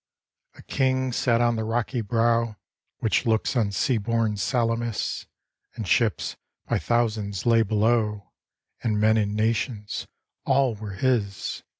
A king sat on the rocky brow Which looks on sea born Salamis; And ships, by thousands, lay below. And men in nations; — all were his!